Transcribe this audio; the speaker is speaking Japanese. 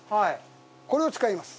これを使います。